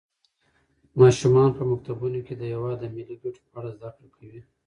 ماشومان په مکتبونو کې د هېواد د ملي ګټو په اړه زده کړه کوي.